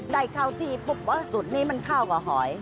ได้เข้าที่ปุ๊บสูตรนี้มันเข้ากับหอย